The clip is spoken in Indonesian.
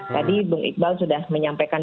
tadi bung iqbal sudah menyampaikan